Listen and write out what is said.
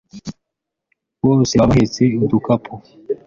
bose baba bahetse udukapu